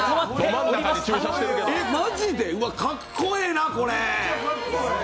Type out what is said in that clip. えっ、マジで、かっこええな、これ。